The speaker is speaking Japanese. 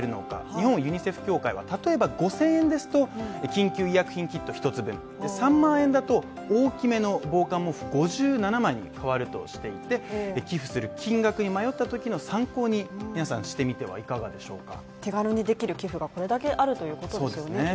日本ユニセフ協会は、例えば５０００円ですと緊急医薬品キット１つ分３万円だと、大きめの防寒毛布５７枚に変わるとしていて寄付する金額に迷ったときの参考に皆さんしてみてはいかがでしょうか。